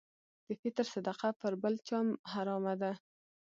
د فطر صدقه پر بل چا حرامه ده.